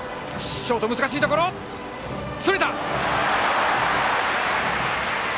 ショート、難しいところ、それた。